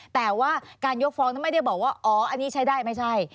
แต่ว่าการยกฟ้องนั้นไม่ได้บอกว่าอ๋ออันนี้ใช้ได้ไม่ใช่